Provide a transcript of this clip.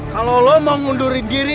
kalo lu mau ngundurin diri